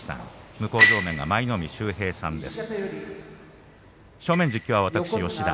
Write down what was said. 向正面が舞の海秀平さんです。